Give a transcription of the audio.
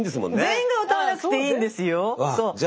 全員が歌わなくていいんですよ。